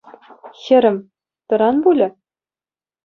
Хӗрӗм, тӑран пулӗ.